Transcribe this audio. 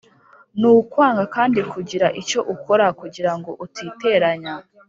ni ukwanga kandi kugira icyo ukora kugira ngo utiteranya.